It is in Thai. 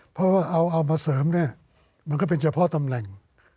เพราะว่าเอามาเสริมเนี่ยมันก็เป็นเฉพาะตำแหน่ง